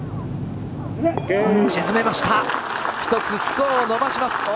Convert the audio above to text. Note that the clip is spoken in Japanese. １つスコアを伸ばします。